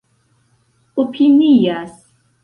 opinias